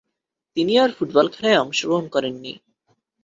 তিনি আর ফুটবল খেলায় অংশগ্রহণ করেননি।